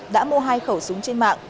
đã mua hai khẩu súng trên mạng